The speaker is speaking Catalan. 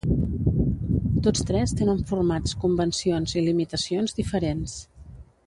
Tots tres tenen formats, convencions i limitacions diferents.